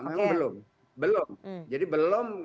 memang belum belum jadi belum